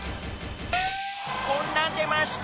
こんなん出ました。